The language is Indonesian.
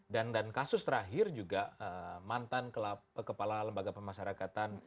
dan kasus terakhir juga mantan kepala lembaga pemasarakatan